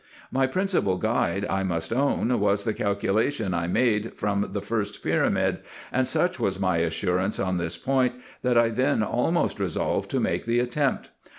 My principal guide, I must own, was the cal culation I made from the first pyramid, and such was my assurance on this point, that I then almost resolved to make the attempt.